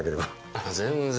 あぁ全然。